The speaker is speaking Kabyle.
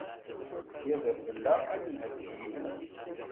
Sya d afella, ad d-nheggi yiwen.